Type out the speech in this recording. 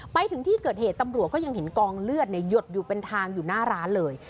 ไปถึงที่เกิดเหตุตำรวจก็ยังเห็นกองเลือดหยดอยู่เป็นทางอยู่หน้าร้านเลย